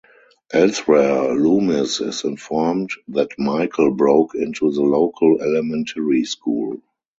Elsewhere, Loomis is informed that Michael broke into the local elementary school.